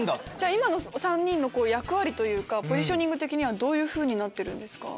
今の３人の役割というかポジショニング的にはどうなってるんですか？